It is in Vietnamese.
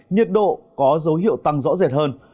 nhiệt độ có dấu hiệu tăng rõ rệt hơn